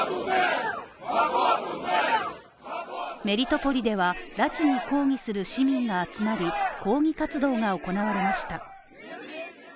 メリトポリでは拉致に抗議する市民が集まり、抗議活動が行われました。